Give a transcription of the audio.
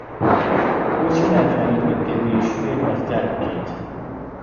بۆچی ناتوانیت وەک پێگەیشتوویەک ڕەفتار بکەیت؟